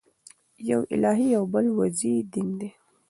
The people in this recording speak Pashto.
یو الهي او بل وضعي دین دئ.